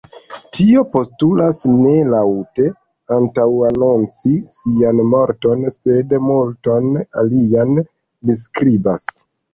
Tio postulas ne laŭte antaŭanonci sian morton sed multon alian”, li skribas.